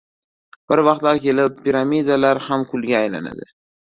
Bir vaqtlar kelib, piramidalar ham kulga aylanadi.